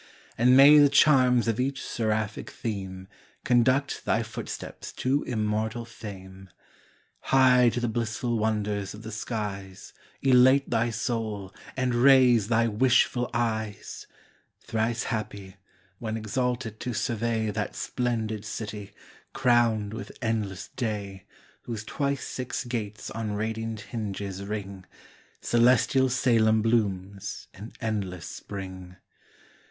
And may the charms of each seraphic theme Conduct thy footsteps to immortal fame! High to the blissful wonders of the skies Elate thy soul, and raise thy wishful eyes. Thrice happy, when exalted to survey That splendid city, crown'd with endless day, Whose twice six gates on radiant hinges ring: Celestial Salem blooms in endless spring.